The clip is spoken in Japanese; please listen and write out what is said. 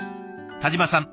田嶋さん